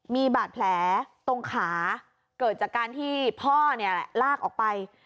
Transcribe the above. มีบาดแผลตรงขาเกิดจากการที่พ่อลากออกไป